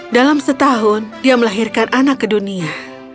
dalam setahun dia melahirkan anak ke dunia